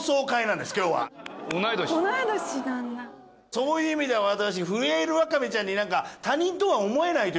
そういう意味では私。